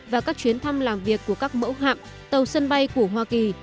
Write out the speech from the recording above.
và các chuyến thăm làm việc của các mẫu hạm tàu sân bay của hoa kỳ